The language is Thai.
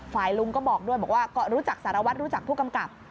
ลุงก็บอกด้วยบอกว่าก็รู้จักสารวัตรรู้จักผู้กำกับ